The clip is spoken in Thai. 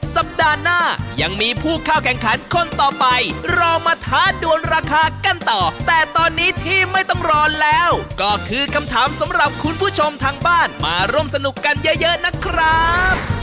สัปดาห์หน้ายังมีผู้เข้าแข่งขันคนต่อไปรอมาท้าดวนราคากันต่อแต่ตอนนี้ที่ไม่ต้องรอแล้วก็คือคำถามสำหรับคุณผู้ชมทางบ้านมาร่วมสนุกกันเยอะเยอะนะครับ